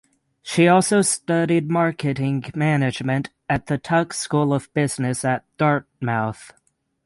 She also studied marketing management at the Tuck School of Business at Dartmouth.